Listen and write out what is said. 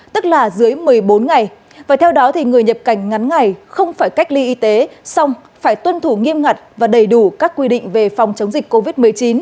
tức là dưới một mươi bốn ngày và theo đó thì người nhập cảnh ngắn ngày không phải cách ly y tế xong phải tuân thủ nghiêm ngặt và đầy đủ các quy định về phòng chống dịch covid một mươi chín